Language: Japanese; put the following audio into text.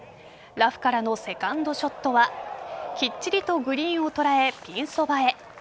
ラフからのセカンドショットはきっちりとグリーンを捉えピン側へ。